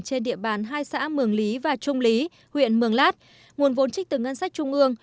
trên địa bàn hai xã mường lý và trung lý huyện mường lát nguồn vốn trích từ ngân sách trung ương